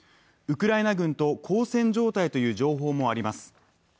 ウクライナ軍と交戦状態という情報もあります。